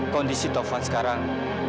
kondisi taufan sekarang